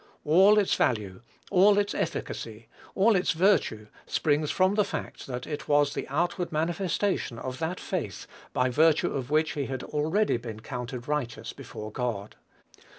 All its value, all its efficacy, all its virtue, springs from the fact that it was the outward manifestation of that faith, by virtue of which he had been already counted righteous before God.